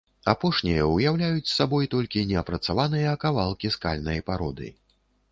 Апошнія ўяўляюць сабой толькі неапрацаваныя кавалкі скальнай пароды.